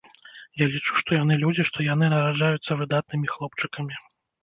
Я лічу, што яны людзі, што яны нараджаюцца выдатнымі хлопчыкамі.